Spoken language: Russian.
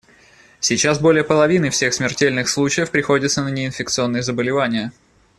Сейчас более половины всех смертельных случаев приходится на неинфекционные заболевания.